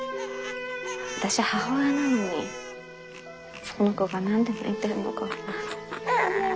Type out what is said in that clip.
私母親なのにこの子が何で泣いてるのか。